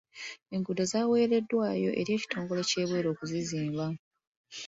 Enguudo zaweereddwayo eri ekitongole ky'ebweru okuzizimba.